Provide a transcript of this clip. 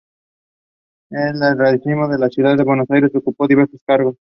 En el radicalismo de la ciudad de Buenos Aires ocupó diversos cargos.